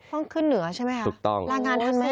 ต้องขึ้นเหนือใช่ไหมลากงานทันไหม